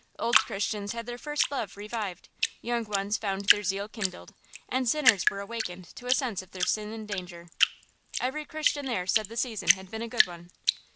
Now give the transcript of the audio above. Old Christians had their "first love" revived; young ones found their zeal kindled, and sinners were awakened to a sense of their sin and danger. Every Christian there said the season had been a good one!